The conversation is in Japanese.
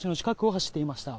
走っていました。